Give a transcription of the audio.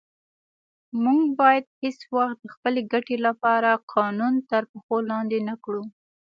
موږ باید هیڅ وخت د خپلې ګټې لپاره قانون تر پښو لاندې نه کړو.